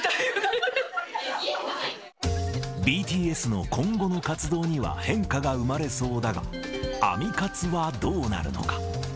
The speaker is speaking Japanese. ＢＴＳの今後の活動には変化が生まれそうだが、アミ活はどうなるのか。